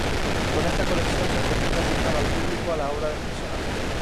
Con esta colección se pretende acercar al público la obra del personaje.